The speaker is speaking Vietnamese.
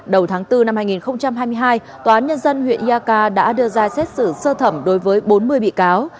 đầu tháng bốn năm hai nghìn hai mươi hai tòa án nhân dân huyện yaka đã đưa ra xét xử sơ thẩm đối với bốn mươi bị cáo